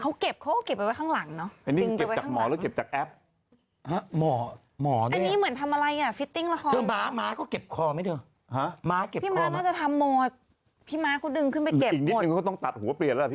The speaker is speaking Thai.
เขาเก็บเขาก็เก็บไว้ข้างหลังเนอะเป็นเงินเก็บจากหมอก็เก็บจากแอป